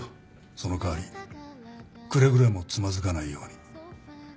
その代わりくれぐれもつまずかないように。